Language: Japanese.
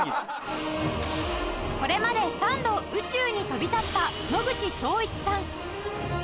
これまで３度宇宙に飛び立った野口聡一さん